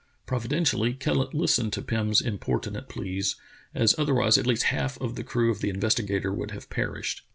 Providentially, Kellet hstened to Pirn's importunate pleas, as otherwise at least half of the crew of the Investigator would have perished.